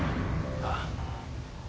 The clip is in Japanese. ああ。